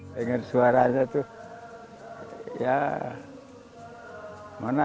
dengar suaranya tuh ya mana